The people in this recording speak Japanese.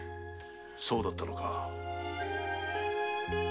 そうだったのか。